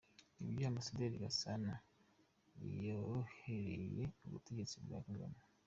Ibyo Ambasaderi Gasana yakoreye ubutegetsi bwa Kagame